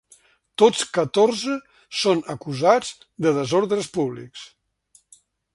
Tots catorze són acusats de desordres públics.